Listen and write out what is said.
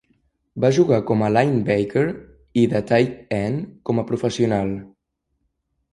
Va jugar com a linebacker i de tight end com a professional.